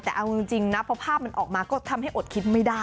แต่เอาจริงนะพอภาพมันออกมาก็ทำให้อดคิดไม่ได้